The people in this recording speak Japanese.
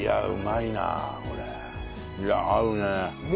いや合うね。